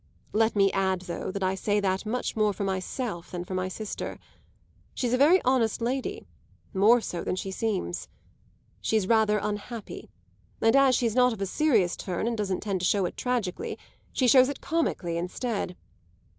Let me add, though, that I say that much more for myself than for my sister. She's a very honest lady more so than she seems. She's rather unhappy, and as she's not of a serious turn she doesn't tend to show it tragically: she shows it comically instead.